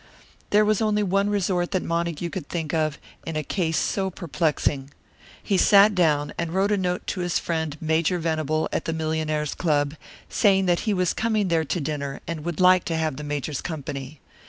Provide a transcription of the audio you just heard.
There was only one resort that Montague could think of, in a case so perplexing. He sat down and wrote a note to his friend Major Venable, at the Millionaires' Club, saying that he was coming there to dinner, and would like to have the Major's company.